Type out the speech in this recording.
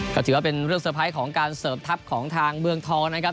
ก็ถือว่าเป็นเรื่องเตอร์ไพรส์ของการเสริมทัพของทางเมืองทองนะครับ